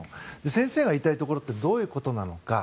先生が言いたいところってどういうことなのか。